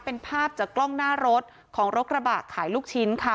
เป็นภาพจากกล้องหน้ารถของรถกระบะขายลูกชิ้นค่ะ